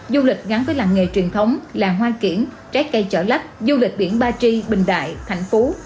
du lịch gắn với làng nghề truyền thống làng hoa kiển trái cây chợ lách du lịch biển ba tri bình đại thành phố